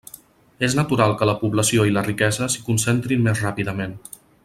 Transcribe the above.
És natural que la població i la riquesa s'hi concentrin més ràpidament.